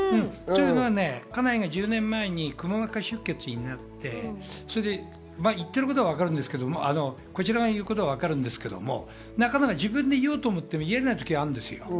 家内が１０年前にくも膜下出血になって言ってることは分かるんですけど、こちらが言うことはわかるんですけれど、自分で言おうと思っても言えない時があるんですよ。